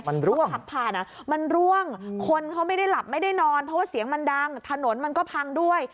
มันร่วงขับผ่านอ่ะมันร่วงคนเขาไม่ได้หลับไม่ได้นอนเพราะว่าเสียงมันดังถนนมันก็พังด้วย